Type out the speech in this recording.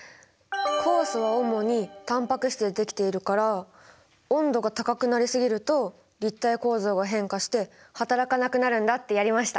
酵素は主にタンパク質でできているから温度が高くなりすぎると立体構造が変化して働かなくなるんだってやりました！